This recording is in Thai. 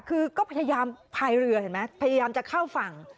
คือก็พยายามพายเรือเห็นไหมพยายามจะเข้าฝั่ง